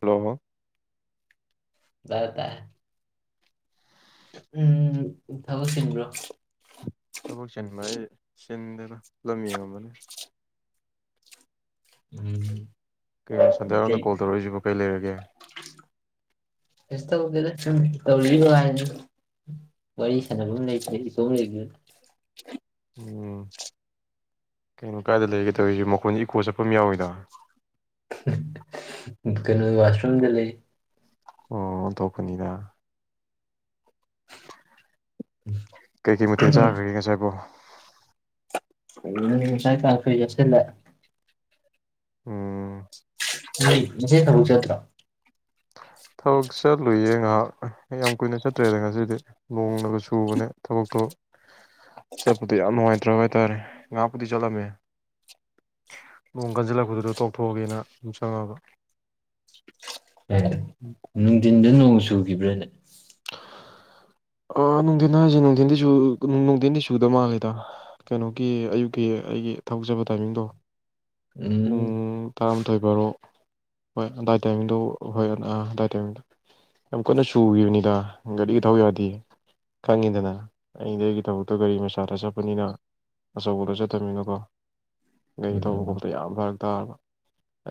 hello ꯇꯥꯏꯌ‌ꯦ ꯇꯥꯏꯌ‌ꯦ [inaudible] ꯎꯝ ꯊꯕꯛ ꯆꯤꯟꯕ꯭ꯔꯣ ꯊꯕꯛ ꯆꯤꯟꯕ ꯍꯥꯏꯁ‌ꯦ ꯆꯤꯟꯗ‌ꯦꯗ ꯐꯤꯂꯝ ꯌ‌ꯦꯡꯉꯝꯕꯅ‌ꯦ ꯎꯝ ꯀ ꯁꯟꯗꯋꯥꯏꯔꯝꯗ ꯀꯩ ꯀꯣꯜ ꯇꯧꯔꯛꯏꯁꯤꯕꯨ ꯀꯩ ꯂꯩꯔꯒꯦ ꯀꯩꯁꯨ ꯇꯧꯗꯦꯗ ꯁꯨꯝ ꯇꯧꯔꯛꯏꯕ ꯍꯥꯏꯗꯨꯅ‌ꯦ ꯋꯥꯔꯤ ꯁꯥꯟꯐꯝ ꯂꯩꯇ꯭ꯔꯦ ꯏꯇꯣꯝ ꯂꯩꯕꯅꯤꯅ ꯎꯝ ꯀꯩꯅꯣ ꯀꯥꯏꯗ ꯂꯩꯒꯦꯗꯧꯔꯤꯁꯨ ꯃꯈꯣꯟꯁ ꯏꯀꯣ ꯆꯠꯄ ꯑꯃ ꯌꯥꯎꯋꯤꯗ ꯀꯩꯅꯣ ꯋꯥꯁ꯭ꯔꯝꯗ ꯂꯩ ꯑꯣ ꯇꯣꯛꯀꯅꯤꯗ ꯀꯩ ꯀꯩ ꯃꯠꯊꯦꯜ ꯆꯥꯈ꯭ꯔꯒꯦ ꯉꯁꯥꯏꯕꯣ [unintelligible] ꯎꯝ ꯅꫭꯏ ꯉꯁꯤ ꯊꯥꯕꯛ ꯆꯦꯠꯇ꯭ꯔ ꯊꯕꯛ ꯆꯠꯂꯨꯏꯌꯦ ꯉꯥꯏꯍꯥꯛ ꯌꯥꯝ ꯀꯨꯏꯅ ꯆꯠꯇ꯭ꯔꯦꯗ ꯉꯁꯤꯗꯤ ꯅꯣꯡꯅꯒ ꯆꯨꯕꯅꯦ ꯊꯕꯛꯇꯣ ꯆꯠꯄꯗ ꯌꯥꯝ ꯅꯨꯡꯉꯥꯏꯇ꯭ꯔꯕ ꯍꯥꯏꯇꯥꯥꯔꯦ ꯉꯥꯏꯍꯥꯛꯄꯨꯗꯤ ꯆꯠꯂꯝꯃꯦ ꯅꯣꯡ ꯀꯟꯁꯤꯜꯂꯛꯄꯗꯨꯗ ꯇꯣꯛꯊꯣꯛꯑꯒꯦꯅ ꯑꯗꯨꯝ ꯆꯪꯉꯒ ꯅꯨꯡꯊꯤꯟꯗ ꯅꯣꯡ ꯆꯨꯒꯥꯕ꯭ꯔꯥꯅꯦ ꯑ ꯅꯨꯡꯊꯤꯟ ꯍꯥꯏꯁꯦ ꯅꯨꯡꯊꯤꯟꯗꯤ ꯅꯨꯡꯊꯤꯟꯗꯤ ꯆꯨꯗ ꯃꯥꯜꯂꯦꯗ ꯀꯩꯅꯣꯒꯤ ꯑꯌꯨꯛꯀꯤ ꯑꯩꯒꯤ ꯊꯥꯕꯛ ꯆꯠꯄꯥ ꯇꯥꯏꯃꯤꯡꯗꯣ ꯄꯨꯡ ꯎꯝ ꯇꯔꯥꯃꯥꯊꯣꯏ ꯕꯥꯔꯣ ꯍꯣꯏ ꯑꯟꯗꯥꯏ ꯇꯥꯏꯃꯤꯡꯗꯨꯣ ꯍꯣꯏ ꯑꯟꯗꯥꯏ ꯇꯥꯏꯃꯤꯡꯗꯣ ꯌꯥꯝ ꯀꯟꯅ ꯆꯨꯒꯤꯕꯅꯤꯗ ꯒꯥꯔꯤꯒ ꯊꯧ ꯌꯥꯗꯦ ꯈꯪꯉꯤꯗꯅ ꯑꯩꯗꯤ ꯑꯩꯒꯤ ꯊꯕꯛꯇꯣ ꯒꯥꯔꯤ ꯃꯆꯥꯗ ꯆꯠꯄꯅꯤꯅ ꯑꯆꯧꯕꯗ ꯆꯠꯇꯕꯅꯤꯅꯀꯣ ꯒꯥꯔꯤ ꯊꯧꯕ ꯎꯝ ꯈꯣꯠꯄꯗ ꯌꯥꯝ ꯐꯔꯛ ꯇꯥꯔꯕ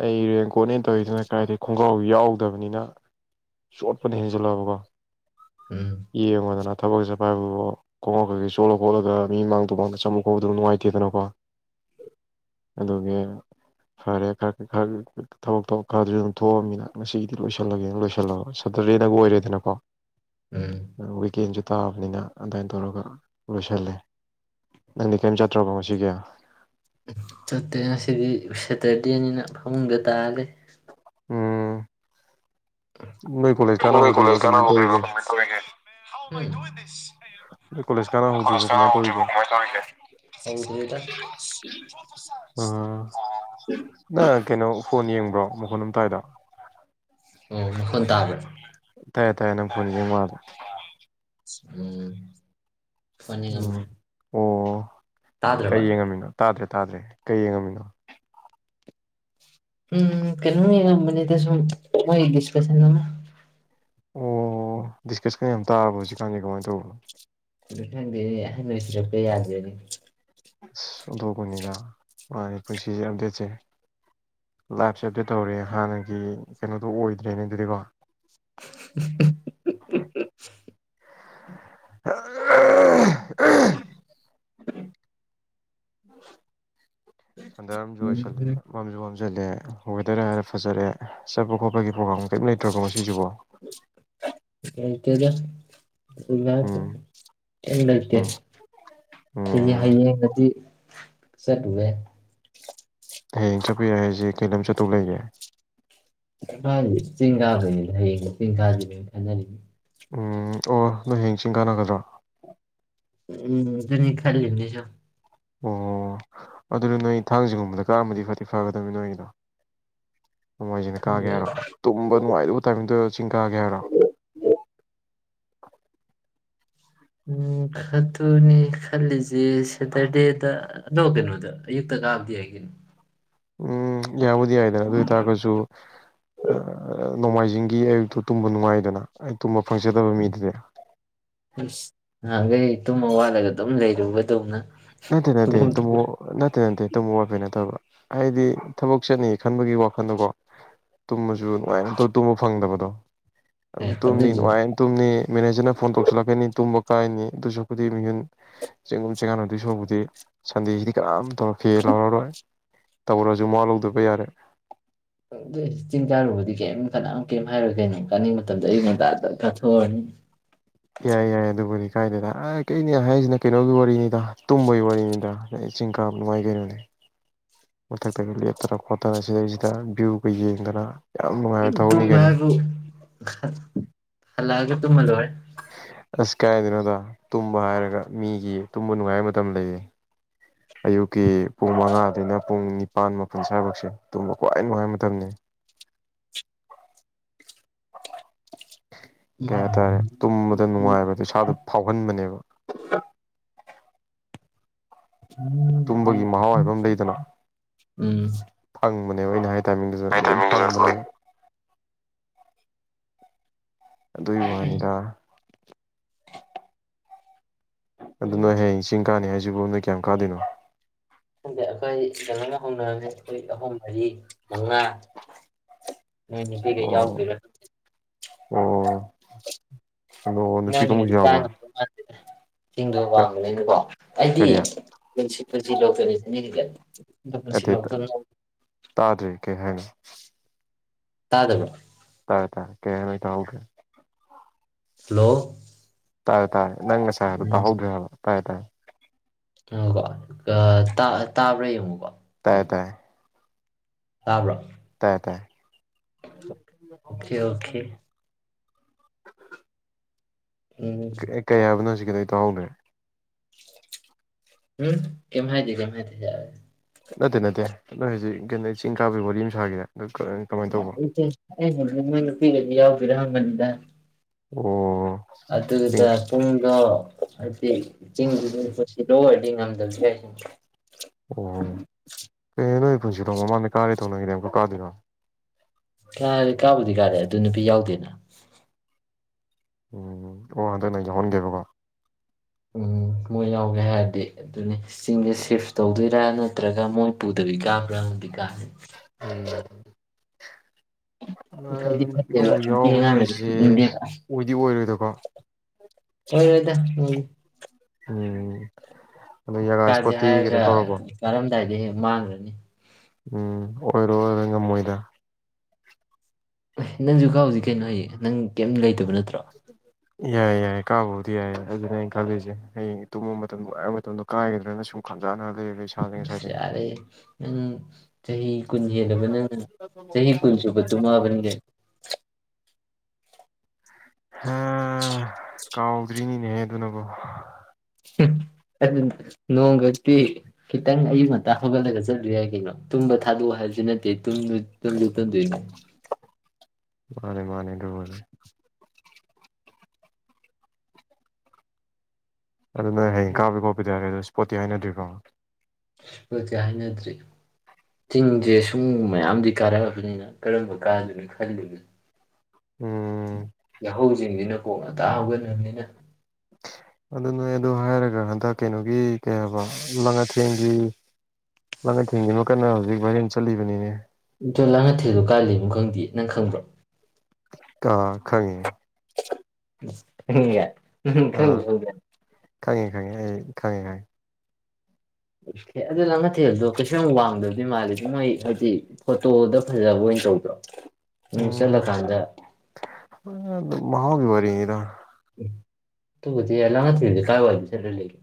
ꯑꯩ ꯔꯦꯟ ꯀꯣꯠꯅꯦ ꯇꯧꯔꯤꯁꯤꯅ ꯀꯥꯏꯗꯩ ꯈꯣꯡꯒ꯭ꯔꯥꯎ ꯌꯥꯎꯗꯕꯅꯤꯅ ꯆꯣꯠꯄꯅ ꯍꯦꯟꯖꯜꯂꯛꯑꯕꯀꯣ ꯎꯝ ꯌꯦꯡꯉꯣꯗꯅ ꯊꯕꯛ ꯆꯠꯄ ꯍꯥꯏꯕꯨꯕꫭ ꯀꯣꯡꯀꯩꯀꯩ ꯆꯣꯠꯂꯛ ꯈꯣꯠꯂꯒ ꯃꯤ ꯃꯥꯡ ꯇꯨ ꯃꯥꯡꯗ ꯆꯪꯃꯕ ꯈꯣꯠꯄꯗꯨ ꯅꯨꯡꯉꯥꯏꯇꯦꯗꯅꯀꯣ ꯑꯗꯨꯒꯤ ꯐꯔꯦ ꯈꯔ ꯈꯔ ꯊꯕꯛ ꯈꯔꯗꯨ ꯑꯗꯨꯝ ꯊꯣꯛꯑꯃꯤꯅ ꯉꯁꯤꯒꯤꯗꯤ ꯂꯣꯏꯁꯤꯜꯂꯒꯦꯅ ꯂꯣꯏꯁꯤꯜꯂꯒ ꯁꯇꯔꯗꯦꯗꯒ ꯑꯣꯏꯔꯦꯗꯅꯀꯣ ꯎꯝ ꯋꯤꯀꯦꯟꯁꯨ ꯇꯥꯕꯅꯤꯅ ꯑꯗꯨꯃꯥꯏꯅ ꯇꯧꯔꯒ ꯂꯣꯏꯁꯜꯂꯦ ꯅꯪꯗꯤ ꯀꯔꯤꯝ ꯆꯠꯇ꯭ꯔꯕꯣ ꯉꯁꯤꯒꯤ ꯆꯠꯇꯦ ꯉꯁꯤꯗꯤ ꯁꯦꯇꯔꯗꯦꯅꯤꯅ ꯐꯃꯨꯡꯗ ꯇꯥꯔꯂꯩ ꯎꯝ ꯅꯣꯏ ꯀꫭꯂꯦꯁ ꯅꫭꯏ ꯀꫭꯂꯦꯁ ꯀꯥꯅꯥ ꯍꯧꯈꫭꯏꯕ ꯀꯃꯥꯏꯅ ꯇꯧꯔꯤꯒꯦ [unintelligible] ꯏꯁ [unintelligible] ꯅꫭꯏ ꯅꯣꯏ ꯀꯣꯂꯦꯖ ꯀꯥꯟꯅ ꯍꯧꯗ꯭ꯔꯤꯕꯣ ꯀꫭꯂꯦꯁ ꯀꯥꯅꯥ ꯀꯃꯥꯏꯅ ꯍꯧꯈꫭꯏꯕ ꯇꯧꯔꯤꯒꯦ ꯀꯃꯥꯏꯅ ꯇꯧꯔꯤꯒꯦ ꯍꯥꯎꯗꯔꯤꯗ ꯅꯪ ꯀꯩꯅꯣ ꯐꯣꯟ ꯌꯦꯡꯕ꯭ꯔꯣ ꯃꯈꯣꯟ ꯑꯝ ꯇꯥꯏꯗ ꯑꯣ ꯃꯥꯈꫭꯟ ꯇꯕ꯭ꯔ ꯇꯥꯏꯌꯦ ꯇꯥꯏꯌꯦ ꯅꯪ ꯐꯣꯟ ꯌꯦꯡ ꯃꯥꯜꯂꯦ ꯎꯝ [unintelligible] ꯐꫭꯟ ꯎꯝ ꯌꯦꯡꯉꯝꯕꯅꯤ ꯑꯣ ꯀꯩ ꯇꯥꯗ꯭ꯔꯕ ꯌꯦꯡꯉꯝꯃꯤꯅꯣ ꯇꯥꯗ꯭ꯔꯦ ꯇꯥꯗ꯭ꯔꯦ ꯀꯩ ꯌꯦꯡꯉꯝꯃꯤꯅꯣ ꯎꯝ ꯀꯩꯅꫭ ꯌꯦꯡꯉꯝ ꯕꯅꯤꯗ ꯁꯨꯝ ꯃꫭꯏ ꯗꯤꯁꯀꯁꯟ ꯑꯃꯥ ꯑꯣ ꯗꯤꯁꯀꯁꯀ ꯌꯥꯝ ꯇꯥꯔꯕꫭ ꯍꯧꯖꯤꯛ ꯀꯥꯟꯅꯤ ꯀꯃꯥꯏꯅ ꯇꯧꯕꯅꯣ ꯑꯗꯨ ꯈꯪꯗꯦ ꯑꯍꯟ ꯑꯣꯏꯁꯤꯔꯛꯄ ꯌꯥꯗꯦꯅꯦ ꯑꯁ ꯑꯣꯟꯊꯣꯛꯄꯅꯤꯗ ꯃꯥꯅꯤ ꯄꯨꯟꯁꯤꯁꯦ ꯑꯞꯗꯦꯠꯁꯦ ꯂꯥꯏꯞꯁꯦ ꯑꯞꯗꯦꯠ ꯇꯧꯔꯦ ꯍꯥꯟꯅꯒꯤ ꯀꯩꯅꯣꯗꯣ ꯑꯣꯏꯗ꯭ꯔꯦꯅꯦ ꯑꯗꯨꯗꯤꯀꯣ [unintelligible] [unintelligible] ꯁꯟꯋꯥꯏꯔꯝꯖꯨ ꯑꯣꯏꯁꯜꯂꯦ ꯎꯝ ꯃꯝꯖꯨ ꯐꯝꯖꯤꯜꯂꯦ ꯋꯦꯗꯔ ꯍꯥꯏꯔꯦ ꯐꯖꯔꯦ ꯆꯠꯄ ꯈꯣꯠꯄꯒꯤ ꯄ꯭ꯔꯣꯒꯥꯝ ꯀꯔꯤꯝ ꯂꯩꯇ꯭ꯔꯕꫭ ꯉꯁꯤ ꯁꯤꯕꯣ ꯂꯩꯇꯦꯗ ꯀꯝ ꯎꯝ ꯂꯩꯇꯦ ꯑꯩ ꯎꯝ ꯍꯌꯦꯡ ꯎꯝ ꯍꯌꯦꯡꯒꯗꯤ ꯁꯠꯂꯨꯔꯦ ꯍꯌꯦꯡ ꯆꯠꯄ ꯌꯥꯏ ꯍꯥꯏꯁꯦ ꯀꯩ ꯂꯝ ꯆꯠꯇꯧ ꯂꯩꯒꯦ ꯍ ꯆꯒꯥꯅꯤ ꯂꯩꯒꯥ ꯎ ꯑꯣ ꯅꯣꯏ ꯍꯌꯦꯡ ꯆꯤꯡ ꯀꯥꯟꯅꯒꯗ꯭ꯔꯣ ꯎꯝ ꯑꯗꯨꯅꯤ ꯈꯔ ꯍꯅꯤꯁꯨ ꯑꯣ ꯑꯗꯨꯗ ꯅꯣꯏ ꯊꯥꯡꯖꯒꯨꯝꯕꯗ ꯀꯛꯑꯝꯃꯗꯤ ꯐꯗꯤ ꯐꯒꯗꯅꯤ ꯅꯣꯏꯒꯤꯗꯣ ꯅꯣꯡꯃꯥꯏꯖꯁꯤꯅ ꯀꯥꯒꯦ ꯈꯪꯗꯦ ꯍꯥꯏꯔꯣ ꯇꯨꯝꯕ ꯅꯨꯡꯉꯥꯏꯗꯕ ꯇꯥꯏꯃꯤꯡꯗꯨꯣ ꯆꯤꯡꯒꯥꯒꯔꯥ ꯎꯝꯥꯈꯠꯇꯨꯅꯦ ꯈꯜꯂꯤꯁꯦ ꯁꯦꯇꯔꯗꯦꯗ ꯑꯗꯣ ꯀꯩꯅꯣꯗ ꯑꯌꯨꯛꯇ ꯀꯥꯕꯗꯤ ꯍꯥꯏꯒꯤꯅꯤ ꯎꯝ ꯌꯥꯕꯨꯗꯤ ꯌꯥꯏꯗꯅ ꯑꯗꯨ ꯑꯣꯏꯇꯥꯔꯒꯁꯨ ꯅꯣꯡꯃꯥꯏꯖꯤꯡꯒꯤ ꯑꯌꯨꯛꯇꯨ ꯇꯨꯝꯕ ꯅꯨꯡꯉꯥꯏꯗꯅ ꯑꯩ ꯇꯨꯝꯕ ꯐꯪꯖꯗꯕ ꯃꯤꯗꯨꯅꯦ ꯅꯥꯟꯈꯩ ꯇꯨꯝꯃ ꯋꯥꯠꯂꯒ ꯑꯗꯨꯝ ꯂꯩꯔꯨꯕꯗꯧꯅ ꯅꯠꯇꯦ ꯅꯠꯇꯦ ꯇꯨꯝꯐꯝ ꯊꯣꯛꯄ [unintelligible] ꯅꯠꯇꯦ ꯅꯠꯇꯦ ꯇꯨꯝꯕ ꯋꯥꯐꯩ ꯅꯠꯇꯕ ꯍꯥꯏꯗꯤ ꯊꯕꯛ ꯆꯠꯅꯤ ꯈꯟꯕꯒꯤ ꯋꯥꯈꯜꯗꯣꯀꯣ ꯇꯨꯝꯃꯁꯨ ꯅꯨꯡꯉꯥꯏꯅꯧ ꯇꯨꯝꯕ ꯐꯪꯗꯕꯗꯣ ꯑꯦ ꯑꯗꯨꯝ ꯇꯨꯝꯅꯤ ꯑꯗꯨꯏꯁꯨ ꯅꯨꯡꯉꯥꯏ ꯇꯨꯝꯅꯤ ꯃꯦꯅꯦꯖꯔꯅ ꯐꯣꯟ ꯇꯧꯁꯤꯜꯂꯛꯀꯅꯤ ꯇꯨꯝꯕ ꯀꯥꯏꯅꯤ ꯗꯨꯁ ꯀꯨꯗꯤ ꯃꯤꯍꯨꯟ ꯆꯤꯡꯒꯨꯝ ꯆꯤꯡꯀꯥꯟꯅ ꯑꯗꯨꯏ ꯁꯥꯎꯕꯨꯗꯤ ꯁꯟꯗꯦꯁꯤꯗꯤ ꯀꯔꯝ ꯇꯧꯔꯛꯈꯤ ꯂꯥꯎꯔꯔꯣꯏ ꯇꯧꯔꯁꯨ ꯃꯥ ꯂꯧꯗꯕ ꯌꯥꯔꯦ ꯆꯤꯟꯇꯥꯥꯔ ꯍꯧꯗꯤ ꯀꯦ ꯀꯅꯥꯝ ꯀꯩꯝ ꯍꯥꯏꯔꯣꯏꯒꯅꯤ ꯆꯥꯅꯤꯡ ꯃꯇꯝꯗ ꯑꯩ ꯃꯣꯟꯇꯥꯗ ꯍꯣꯏ ꯌꯥꯏ ꯌꯥꯏꯌꯦ ꯑꯗꯨꯕꯨꯅꯤ ꯀ ꯀꯥꯏꯗꯦꯗ ꯑ ꯀꯩꯅꯦ ꯍꯥꯏꯔꯤꯁꯤꯅ ꯀꯩꯅꯣꯒꯤ ꯋꯥꯔꯤꯅꯤꯗ ꯇꯨꯝꯕꯣꯏ ꯋꯥꯔꯤꯅꯤꯗ ꯑꯗ ꯆꯤꯡ ꯀꯥ ꯅꯨꯡꯉꯥꯏ ꯀꯩꯅꯣꯅꯦ ꯃꯊꯛꯇꯒ ꯂꯦꯞꯇꯅ ꯈꯣꯠꯇꯅ ꯁꯤꯗꯩꯁꯤꯗ ꯚ꯭ꯌꯨꯒ ꯌꯦꯡꯗꯅ ꯌꯥꯝ ꯅꯨꯡꯉꯥꯏꯕ ꯇ ꯊꯕꯛꯅꯤ ꯀꯩꯅꯣ ꯍꯥꯏꯕꯨ ꯐ ꯑꯗꯨꯨꯝꯃ ꯂꯣꯏꯦ ꯑꯁ ꯀꯥꯏꯗꯅꯣꯗ ꯇꯨꯝꯕ ꯍꯥꯏꯔꯒ ꯃꯤꯒꯤ ꯇꯨꯝꯕ ꯅꯨꯡꯉꯥꯏꯕ ꯃꯇꯝ ꯂꯩꯌꯦ ꯑꯌꯨꯛ ꯀꯤ ꯄꯨꯡ ꯃꯉꯥꯗꯨꯅ ꯄꯨꯡ ꯅꯤ ꯃꯄꯥꯟ ꯃꯄꯨꯟ ꯁ ꯍꯥꯏꯕꯛꯁꯦ ꯇꯨꯝꯕ ꯈ꯭ꯋꯥꯏ ꯅꯨꯡꯉꯥꯏꯕ ꯃꯇꯝꯅꯤ ꯎꯝ ꯀꯩ ꯍꯥꯏꯇꯥꯔꯦ ꯇꯨꯝꯕꯗ ꯅꯨꯡꯉꯥꯏꯕꯗꯣ ꯏꯁꯥꯗ ꯐꯥꯎꯍꯟꯕꯅꯦꯕ ꯇꯨꯝꯕꯒꯤ ꯃꯍꯥꯎ ꯍꯥꯏꯕ ꯑꯃ ꯂꯩꯗꯅ ꯎꯝ ꯑꯣꯏ ꯍꯥꯏ ꯇꯥꯏꯃꯤꯡꯗꯨꯁꯨ ꯂꯣꯏ ꯐꯪꯕꯅꯦꯕ ꯑꯗꯨꯒꯤ ꯋꯥꯅꯤꯗ ꯎꯝ ꯑꯗꯨꯅ ꯍꯌꯦꯡ ꯆꯤꯡ ꯀꯥꯅꯤ ꯍꯥꯏ ꯖꯤꯕꯨꯣꯅ ꯀꯌꯥꯝ ꯀꯥꯗꯅꯣ ꯗꯤ ꯑꯩꯈꯣꯏ ꯌꯦꯪꯅ ꯍꯧꯅꯔꯝꯅꯤ ꯑꯩꯈꯣꯏ ꯑꯍꯨꯝ ꯃꯔꯤ ꯃꯉꯥ ꯅꯣꯏ ꯅꯨꯄꯤꯒ ꯎꯝ ꯌꯥꯎꯗꯣꯏꯔꯥ ꯎꯝ ꯅꯅꯦ ꯌꯥꯎꯕ꯭ꯔꯣ ꯀꯗ ꯃꯥꯗ ꯊꯤꯡꯗꯕ ꯄꯥꯝꯕꯅꯤꯅꯦꯀꯣ ꯑꯩꯗꯤ ꯀꯔꯤ ꯄꯨꯁꯤ ꯂꯁꯤ ꯑꯗꯨ ꯇꯥꯗ꯭ꯔꯤ ꯀꯩ ꯍꯥꯏꯅꯨ ꯇꯥꯗꯕ ꯇꯥꯏꯦ ꯇꯥꯏꯦ ꯀꯌꯥꯃꯤ ꯊꯒꯦ ꯍꯂꯣ ꯇꯥꯏꯦ ꯇꯥꯏꯦ ꯅꯪꯁꯥꯏ ꯍꯥꯏꯔ ꯇ ꯍꯧꯗ꯭ꯔꯔꯤꯕ ꯇꯥꯏꯌꯦ ꯇꯥꯏꯌꯦ ꯑ ꯀꯣ ꯇꯥꯕ꯭ꯔꯥ ꯌꯦꯡꯉꯨꯀꯣ ꯇꯥꯏꯌꯦ ꯑꯗꯨꯝ ꯇꯥꯏꯌꯦ ꯇꯥꯕ꯭ꯔꯣ ꯇꯥꯏ ꯇꯥꯏ ꯑꯣꯀꯦ ꯑꯣꯀꯦ [unintelligible] ꯎꯝ ꯀ ꯀꯌꯥꯕꯅꯖꯤ ꯀꯗꯩ ꯇꯥꯍꯧꯗ꯭ꯔꯦ ꯎꯝ ꯀꯃꯥꯏꯗꯤ ꯀꯃꯥꯏ ꯊꯤꯖꯦ ꯅꯠꯇꯦ ꯅꯠꯇꯦ ꯅꯣꯏ ꯍꯧꯖꯤꯛ ꯀꯩꯅꯣ ꯆꯤꯡ ꯀꯥꯕꯤ ꯋꯥꯔꯤ ꯅꯨꯡꯁꯥꯒꯤꯗ ꯏ ꯑꯩ ꯅꯣꯏ ꯅꯨꯄꯤꯤꯒꯗꯤ ꯌꯥꯎꯗꯔꯥ ꯍꯪꯕꯅꯤꯗ ꯑꯣ ꯆꯤꯡ ꯑꯗꯨꯗꯨꯗ ꯄꯨꯡꯗ ꯑ ꯆꯤꯡꯒꯨꯗ ꯄ ꯂꯣꯏ ꯉꯝꯗꯕ ꯑꯣ ꯀꯩꯔ ꯀꯟꯁꯤꯔꯣꯡ ꯃꯃꯥꯡꯗꯩ ꯀꯥꯔꯦ ꯊꯧꯅꯤꯡꯉꯤꯗ ꯑꯃꯨꯛꯀ ꯀꯥꯗꯣꯏꯔꯣ ꯀꯔꯦ ꯀꯥꯕꯨꯗꯤ ꯀꯥꯔꯦ ꯑꯗꯨ ꯅꯨꯄꯤ ꯌꯥꯎꯗꯦꯅ ꯎꯝ ꯑꯣ ꯍꯟꯗꯛꯅ ꯌꯥꯎꯍꯟꯒꯦꯕꯀꯣ ꯎꯝ ꯃꯣꯏ ꯌꯥꯎꯒꯦ ꯍꯥꯏꯔꯗꯤ ꯑꯗꯨꯅꯤ ꯆꯤꯡꯗ ꯆꯤꯞꯁ ꯇꯧꯗꯣꯏꯔꯥ ꯅꯠꯇ꯭ꯔꯒ ꯃꯣꯏ ꯄꯨꯨꯗꯕꯤ ꯀꯥꯕ꯭ꯔꯥꯗꯤ ꯀꯥꯦ ꯎꯝ ꯐꯗꯤ ꯅꯨꯄꯤꯤ ꯐꯠꯇꯦꯕ ꯑꯃꯕꯨꯨꯛ ꯅꯨꯄꯤ ꯌꯥꯎꯕ ꯑꯉꯥꯡꯒꯗꯤ ꯍꯥꯏꯁꯦ ꯄꯤꯅꯤꯡꯗꯦꯕ ꯑꯣꯏꯗꯤ ꯑꯣꯏꯔꯣꯏꯗꯀꯣ ꯍꯣꯏ ꯍꯣꯏꯗ ꯍ ꯎꯝ ꯑꯣ ꯖꯒꯥ ꯏꯁꯄꯣꯔꯇꯤ ꯀꯩꯅꯣ ꯇꯧꯔꯕꯣ ꯀꯥꯏꯗꯦ ꯍꯦ ꯃꯥꯡꯈ꯭ꯔꯅꯤ ꯎꯝ ꯑꯣꯏꯔꯣ ꯑꯣꯏꯔꯣ ꯉꯝꯃꯣꯏꯗ ꯅꯪꯁꯨ ꯀꯥꯎꯖꯤꯛ ꯀꯩꯅꯣ ꯍꯥꯏꯌꯦ ꯅꯪ ꯀꯩꯝ ꯂꯩꯇꯕ ꯅꯠꯇꯣ ꯀꯨꯇ꯭ꯔ ꯌꯥꯏ ꯌꯥꯏ ꯀꯥꯕꯨ ꯦ ꯑꯗꯨ ꯀꯂꯦꯖꯦ ꯍꯌꯦꯡ ꯇꯨꯝꯕ ꯃꯇꯝꯗꯣ ꯑꯕ ꯃꯇꯝꯗꯣ ꯀꯥꯏꯒꯗ꯭ꯔꯅ ꯁꯨꯝ ꯈꯥꯖꯥꯟꯅꯔ ꯑꯁ ꯌꯥꯔꯦ ꯅꯪ ꯆꯍꯤ ꯀꯨꯟ ꯍꯦꯜꯂꯕ ꯅꯪ ꯆꯍꯤ ꯀꯨꯟ ꯁꯨꯕ ꯇꯨꯝꯃꯑꯕꯅꯤ ꯀ ꯎꯝ ꯀꯥꯎꯗ꯭ꯔꯤꯅꯤꯅꯦꯍꯦ ꯑꯗꯨꯅꯀꯣ ꯑꯗꯨ ꯅꯣꯡꯒꯗꯤ ꯈꯤꯇꯪ ꯑꯌꯨꯛ ꯉꯇꯥ ꯍꯧꯒꯠꯂꯒ ꯆꯠꯂꯨ ꯌꯥꯏ ꯀꯩꯅꯣ ꯇꯨꯝꯕ ꯊꯥꯗꯣꯛꯑꯣ ꯍꯥꯏꯕꯁꯨ ꯅꯠꯇꯦꯨꯝ [inaudible] ꯃꯥꯅꯦ ꯃꯥꯅꯦ ꯂꯅꯦꯦ ꯑꯗꯨꯅ ꯍꯌꯦꯡ ꯀꯥꯄꯄꯤ ꯈꯣꯠꯄꯤ ꯇꯔꯦ ꯑꯗꯨ ꯄꯣꯠꯇꯤ ꯍꯥꯏꯅꯗ꯭ꯔꯤꯕꯀꯣ ꯁꯁꯦ ꯍꯥꯏꯅꯗ꯭ꯔꯤ ꯆꯤꯡꯁꯦ ꯁꯨꯝ ꯃꯌꯥꯝꯗꯤ ꯀꯥꯔꯛꯑꯕꯅꯤꯅ ꯀꯔꯝꯕ ꯀꯥꯗꯣꯏꯅꯣ ꯈꯜꯂꯤꯒ ꯎꯝ ꯌꯥꯎꯍꯧꯗꯔꯤꯅꯤꯅ ꯀꯣꯛꯅ ꯇꯥꯍꯧꯒꯕꯅꯤꯅ ꯑꯗꯨ ꯅꯣꯏ ꯑꯗꯨꯣ ꯍꯥꯏꯔꯒ ꯍꯟꯗꯛ ꯀꯩꯅꯣꯒꯤ ꯀꯩꯕ ꯂꯪꯉꯠ ꯊꯦꯡꯒꯤ ꯃꯥꯅ ꯊꯦꯡꯒꯤ ꯃꯈ ꯀꯟꯅ ꯍꯧꯖꯤꯛ ꯚꯥꯏꯔꯦꯟ ꯆꯠꯂꯤꯕꯅꯤꯅꯦ ꯇꯣ ꯂꯥꯡꯅ ꯊꯦꯜꯗꯣ ꯀꯥꯜꯂꯤ ꯑꯃꯨꯛ ꯈꯪꯗꯦ ꯅꯪ ꯈꯪꯕ꯭ꯔꯣ ꯑꯥ ꯈꯪꯉꯦ ꯍ ꯎꯝ ꯑꯥ ꯈꯩꯁꯜꯗ ꯈꯪꯉꯦ ꯈꯪꯉꯦ ꯑꯩ ꯈꯪꯉꯦ ꯈꯪꯉꯦ ꯑꯣꯦ ꯑꯗꯨ ꯅꯪ ꯉꯊꯦꯜꯕꯗꯣ ꯀꯩꯁ ꯌꯥꯝ ꯋꯥꯡꯗꯕꯗꯤ ꯃꯥꯜꯜꯂꯤꯦꯗꯤ ꯅꯣꯏ ꯍꯥꯏꯗꯤ ꯐꯣꯇꯣꯗ ꯐꯖꯕ ꯑꯣꯏꯅ ꯇꯧꯗ꯭ꯔꯣ ꯎꯝ ꯅꯨꯡꯁꯤꯜꯂꯀꯥꯟꯗ ꯃꯍꯥꯎꯒꯤ ꯋꯥꯔꯤꯔ ꯇꯨꯕꯨꯗꯤ ꯂ ꯉ ꯂꯩꯦ ꯀꯥꯏ ꯋꯥ ꯆꯂ ꯂꯩꯒ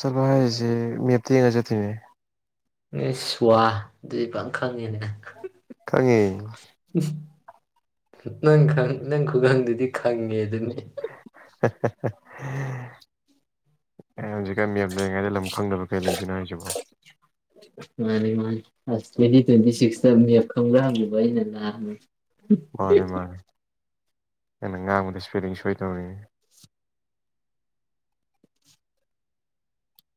ꯁꯄ ꯍꯥꯏꯔꯤꯁꯦ ꯃꯦꯞꯇ ꯌꯦꯡꯉ ꯆꯠꯇꯣꯏꯅꯦ ꯅ ꯁ꯭ꯋꯥꯗꯨ ꯄ ꯈꯪꯉꯦꯅꯦ ꯈꯪꯉꯤ ꯅꯪꯪ ꯅꯪ ꯈꯨꯡꯒꯪꯗꯨꯗꯤ ꯈꯪꯉꯦ ꯑꯗꯨꯅꯤ [inaudible] ꯎꯝ ꯑꯦ ꯍꯧꯖꯤꯛꯀ ꯃꯤꯌꯥꯝ ꯂꯩꯔꯤꯉꯩꯗ ꯂꯝ ꯈꯪꯗꯕ ꯀꯩ ꯂꯩꯗꯣꯏꯅꯣ ꯍꯥꯏꯁꯤꯕꯣ ꯃꯥꯅꯤ ꯃꯥꯅꯦ ꯑꯁ ꯇ꯭ꯋꯦꯟꯇꯤ ꯇ꯭ꯋꯦꯟꯇꯤ ꯁꯤꯛꯁꯇ ꯈꯪꯕ꯭ꯔꯥꯕꯕ ꯑꯩꯅ ꯂꯥꯛꯑ ꯃꯥꯅꯦ ꯃꯥꯅꯦ ꯑꯩꯅꯪ ꯉꯥꯡꯕꯗ ꯏꯁꯄꯦꯂꯤꯡ ꯁꯣꯏ ꯇꯧꯔꯤꯅꯦ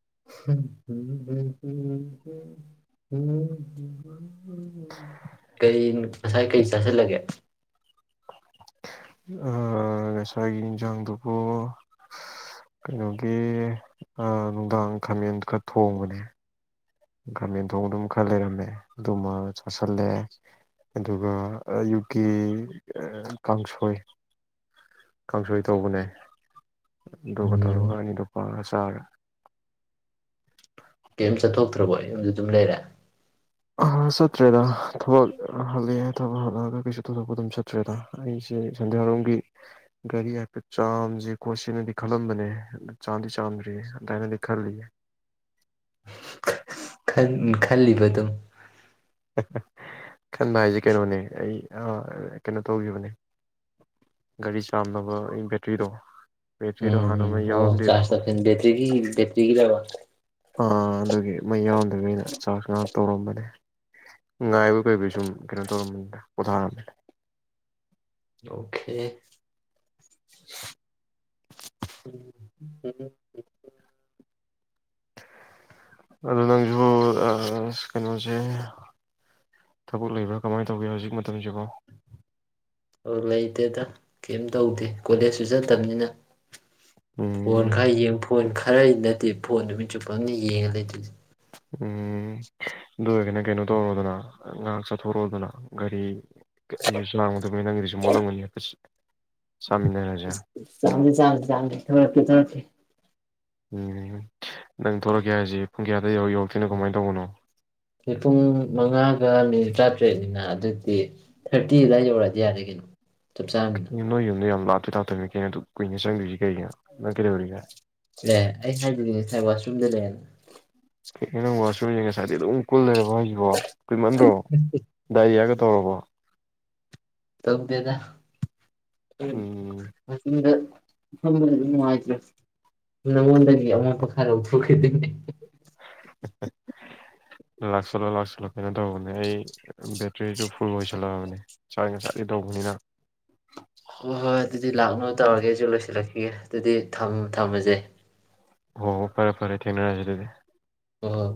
[inaudible] ꯎꯝ ꯎ ꯀꯔꯤ ꯉꯁꯥꯏ ꯀꯔꯤ ꯆꯥꯁꯤꯜꯂꯒꯦ ꯉꯁꯥꯏꯒꯤ ꯌꯦꯟꯁꯥꯡꯗꯨꯕꯨ ꯀꯩꯅꯣꯒꯤ ꯅꯨꯡꯗꯥꯡ ꯈꯥꯃꯦꯟꯗꯨ ꯈꯔ ꯊꯣꯡꯕꯅꯦ ꯒꯥꯔꯃꯦꯟ ꯊꯣꯡ ꯑꯗꯨꯝ ꯈꯔ ꯂꯩꯔꯝꯃꯦ ꯑꯗꯨꯃ ꯆꯥꯥꯁꯜꯂꯦ ꯑꯗꯨꯒ ꯌꯨꯀꯤꯦ ꯀꯥꯡꯁꯣꯏ ꯀꯥꯡꯁꯣꯏ ꯇꯧꯕꯅꯦ ꯑꯗꯨꯒꯒ ꯇꯧꯔꯒ ꯎꯝ ꯑꯅꯤꯗꯄꯥ ꯆꯔ ꯀꯩꯝ ꯆꯠꯊꯣꯛꯇ꯭ꯔꯕꯣ ꯌꯨꯝꯗ ꯑꯗꯨꯝ ꯂꯩꯔꯦ ꯆꯠꯇ꯭ꯔꯦꯗ ꯊꯕꯛ ꯍꯜꯂꯛꯑꯦ ꯊꯕꯛ ꯍꯜꯂꯛꯑꯒ ꯀꯩꯁꯨ ꯊꯗꯛꯄ ꯑꯗꯨꯝ ꯆꯠꯇ꯭ꯔꯦꯗ ꯑꯩꯁꯦ ꯁꯟꯗꯦꯜ ꯍꯔꯣꯝꯒꯤ ꯒꯥꯔꯤ ꯍꯥꯏꯐꯦꯠ ꯆꯥꯝꯁ ꯈꯣꯠꯁꯦꯅꯗꯤ ꯈꯜꯂꯝꯕꯅꯦ ꯆꯥꯝꯗꯤ ꯆꯥꯝꯗ꯭ꯔꯤꯌꯦ ꯑꯗꯨꯃꯥꯏꯅꯗꯤ ꯈꯜꯂꯤ ꯈꯜꯂꯤꯕ ꯑꯗꯨꯝ ꯈꯟ ꯍꯥꯏꯁꯦ ꯀꯩꯅꯣꯅꯦ ꯑꯩ ꯀꯩꯅꯣ ꯇꯧꯈꯤꯕꯅꯦ ꯒꯥꯔꯤ ꯆꯥꯝꯅꯕ ꯑꯩ ꯕꯦꯇ꯭ꯔꯤꯗꯣ ꯕꯦꯇ꯭ꯔꯤꯗꯣ ꯍꯥꯟꯅ ꯃꯩ ꯎꯝ ꯎꯝ ꯑꯣ ꯆꯔ ꯌꯥꯎꯔꯝꯗꯦꯕꯀꯣ ꯆ ꯐꯦꯇꯦ ꯗꯦ꯭ ꯀ ꯂꯩꯕ ꯑ ꯑꯗꯨꯒꯤ ꯃꯩ ꯌꯥꯎ ꯑꯗꯨ ꯑꯩꯅ ꯆꯥꯛ ꯆ ꯉꯥꯡ ꯇꯧꯔꯝꯕꯅꯦ ꯉ ꯑꯦꯕꯨ ꯀ ꯁꯨꯝ ꯀꯩꯅꯣ ꯇ ꯀꯣꯊꯥ ꯑꯣꯦ ꯑꯗꯣ ꯅꯪꯁꯨ ꯀꯩꯅꯣꯁꯦ ꯊꯕꯛ ꯂꯩꯕ꯭ꯔꯥ ꯀꯃꯥꯏꯅ ꯇꯧꯒꯦ ꯍꯧꯖꯤꯛ ꯃꯇꯝꯁꯤꯕꯣ ꯑ ꯂꯩꯇꯦꯗ ꯀꯩꯝ ꯇꯧꯗꯦ ꯀꯣꯂꯦꯖꯁꯨ ꯆꯠꯇꯕꯅꯤꯅ ꯐꯣꯟ ꯎꯝ ꯈꯔ ꯌꯦꯡ ꯐꯣꯟ ꯈ ꯈꯔ ꯑꯩ ꯅꯠꯇꯦ ꯐꯣꯟ ꯅꯨ ꯃꯤ ꯆꯨꯞꯄ ꯑꯃꯅ ꯌꯦꯡꯉ ꯂꯩꯇꯣꯏꯔꯤꯁꯦ ꯎꯝ ꯑꯗꯨ ꯑꯣꯏꯔꯒꯅ ꯀꯩꯅꯣ ꯇꯧꯔꯣꯗꯅ ꯉꯥꯏꯍꯥꯛ ꯆꯠꯊꯣꯔꯣꯗꯅ ꯒꯥꯔꯤ ꯑꯩꯁꯨ ꯂꯥꯡꯒꯗꯕꯅꯤ ꯅꯪꯒꯤꯁꯨ ꯃꯣꯠꯂꯝꯒꯅꯤ ꯍꯥꯏꯐꯠ ꯆꯥꯃꯤꯟꯅꯔꯁꯦ ꯆꯥꯡꯅꯤ ꯆꯥꯡ ꯆꯥꯡꯂ ꯊꯀꯤꯦ ꯊꯈꯤꯦ ꯎꯝ ꯅꯪ ꯊꯂꯛꯀꯦ ꯍꯥꯏꯁꯤꯦ ꯄꯨꯡ ꯀꯌꯥꯗ ꯌꯧꯔ ꯌꯧꯔꯛꯇꯣꯏꯅꯣ ꯀꯃꯥꯏꯅ ꯇꯧꯕꯅꯣ ꯑ ꯄꯨꯡ ꯃꯉꯥꯒ ꯃꯤꯅꯤꯠ ꯇꯥꯇ ꯇꯦꯠꯅꯤꯅ ꯑꯗꯨꯗꯤ ꯊꯥꯔꯇꯤꯗ ꯌꯧꯔꯛꯑꯗꯤ ꯌꯥꯔꯦ ꯀꯩꯅꯣ ꯆꯞ ꯆꯥꯕꯅꯤꯅ ꯏ ꯅ ꯌ ꯌꯥꯝ ꯂꯥꯞꯇꯣꯏ ꯂꯥꯞꯇꯣꯏꯅꯤ ꯀꯩꯅꯣ ꯀꯨꯏꯅ ꯆꯪꯗꯣꯏꯁꯤ ꯀꯒꯤꯅꯣ ꯅꯪ ꯀꯩꯗꯧꯔꯤꯒꯦ ꯑꯦ ꯑꯩ ꯍꯥꯏꯖꯗꯤꯅꯦ ꯉꯁꯥꯏ ꯋꯥꯁꯔꯨꯝꯗ ꯂꯩꯔꯅ ꯆꯦ ꯑꯗꯨꯝ ꯀꯨꯜ ꯂꯩꯔꯕ ꯍꯥꯏꯁꯤꯕꯣ ꯀꯨꯏꯃꯟꯗ꯭ꯔꯣ ꯗꯥꯏꯔꯤꯌꯥꯒ ꯇꯧꯔꯕꯣ ꯇꯞ ꯗꯦꯗꯥ ꯎꯝ ꯎꯝꯗ ꯑꯗꯨꯝ ꯅꯨꯡꯉꯥꯏꯇ꯭ꯔꯣ ꯅꯉꯣꯟꯗꯒꯤ ꯑꯃꯣꯠꯞꯄ ꯈꯔ ꯎꯊꯣꯛꯈꯤꯗꯣꯏꯅꯦ [unintelligible] ꯂꯥꯛꯁꯤꯜꯂꯣ ꯂꯥꯛꯁꯤꯜꯂꯣ ꯀꯩꯅꯣ ꯇꯧꯕꯅꯦ ꯑꯩ ꯕꯦꯇ꯭ꯔꯤꯗꯨ ꯐꯨꯜ ꯑꯣꯏꯁꯜꯂꯛꯑꯕꯅꯦ ꯆꯥꯔꯁ ꯉꯁꯥꯏꯗꯩꯩ ꯇꯧꯕꯅꯤꯅ ꯍꯣꯏ ꯍꯣꯏ ꯑꯗꯨꯗꯤ ꯂꯥꯛꯅꯨ ꯇꯧꯔꯒꯦ ꯑꯩꯁꯨ ꯂꯣꯏꯁꯤꯜꯂꯛꯈꯤꯒꯦ ꯑꯗꯨꯗꯤ ꯊꯝ ꯊꯝꯃꯖꯦ ꯍꯣ ꯍꯣ ꯐꯔꯦ ꯐꯔꯦ ꯑꯗꯨꯗꯤ ꯊꯦꯡ ꯊꯦꯡꯅꯔꯁꯦ ꯑꯗꯨꯗꯤ ꯑꯣ